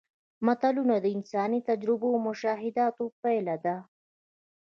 متلونه د انساني تجربو او مشاهداتو پایله ده